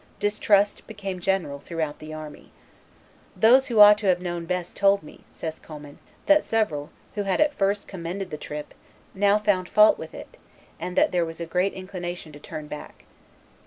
Distrust became general throughout the army. "Those who ought to have known best told me," says Commynes, "that several, who had at first commended the trip, now found fault with it, and that there was a great inclination to turn back."